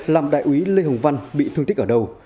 làm đại úy lê hồng văn bị thương tích ở đầu